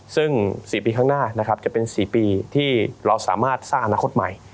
ซึ่ง๔ปีข้างหน้านะครับจะเป็น๔ปีที่เราสามารถสร้างอนาคตใหม่